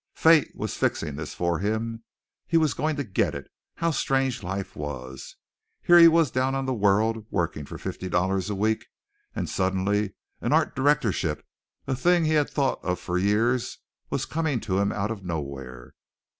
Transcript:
Fate was fixing this for him. He was going to get it. How strange life was! Here he was down on the World working for fifty dollars a week, and suddenly an art directorship, a thing he had thought of for years, was coming to him out of nowhere!